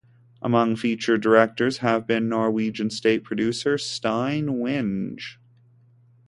Among featured directors have been Norwegian stage producer Stein Winge.